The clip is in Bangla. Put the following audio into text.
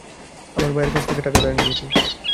আমি ভাইয়ের কাছ থেকে টাকা ধার নিয়েছি।